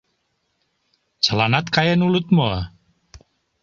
Чыланат каен улыт мо?